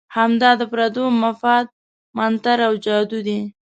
همدا د پردو مفاد منتر او جادو دی.